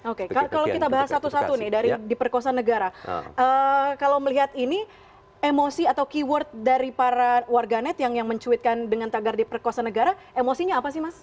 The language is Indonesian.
oke kalau kita bahas satu satu nih dari di perkosaan negara kalau melihat ini emosi atau keyword dari para warganet yang mencuitkan dengan tagar di perkosa negara emosinya apa sih mas